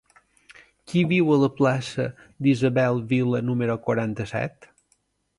Qui viu a la plaça d'Isabel Vila número quaranta-set?